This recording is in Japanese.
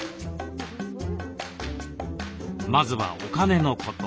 まずはお金のこと。